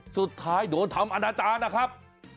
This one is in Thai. สุดท้ายโดนทำอนาจารย์นะครับ